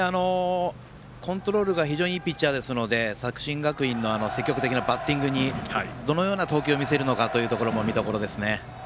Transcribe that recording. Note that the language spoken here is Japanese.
コントロールが非常にいいピッチャーですので作新学院の積極的なバッティングにどのような投球を見せるのかというところも見どころですね。